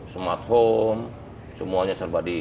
smart home semuanya serba di